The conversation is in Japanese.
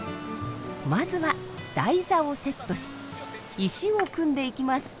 まずは台座をセットし石を組んでいきます。